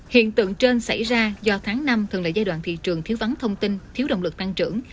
hiện tượng trên xảy ra do tháng năm thường là giai đoạn thị trường thiếu vắng thông tin thiếu động lực tăng trưởng